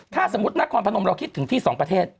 ถ้าสมมุตินครพนมเราคิดถึงที่สองประเทศ